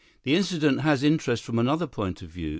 The incident has interest from another point of view.